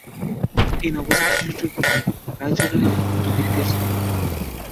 এই নবজাত শিশুটির প্রতি রাইচরণের অত্যন্ত বিদ্বেষ জন্মিল।